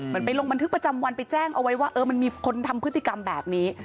ไปลงบันทึกประจำวันไปแจ้งเอาไว้ว่าเออมันมีคนทำพฤติกรรมแบบนี้